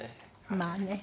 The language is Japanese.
まあね。